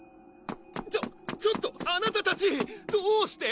ちょっちょっとあなたたちどうして？